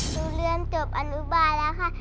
เรียนจบอนุบาลแล้วค่ะ